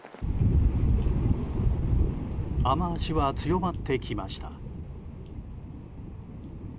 雨脚は強まってきました。